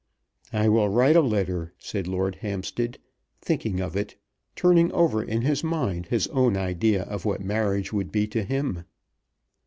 "I will write a letter," said Lord Hampstead, thinking of it, turning over in his mind his own idea of what marriage would be to him.